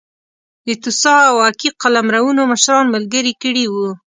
د توسا او اکي قلمرونو مشران ملګري کړي وو.